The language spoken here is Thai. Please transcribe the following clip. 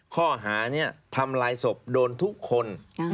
ข้อหานี้ทำลายศพโดนทุกคน